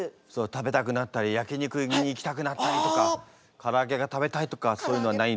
食べたくなったり焼き肉に行きたくなったりとかからあげが食べたいとかそういうのはなったりはしないんですか？